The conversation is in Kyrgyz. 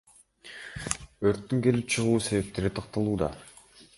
Өрттүн келип чыгуу себептери такталууда.